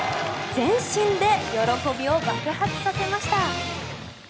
全身で喜びを爆発させました。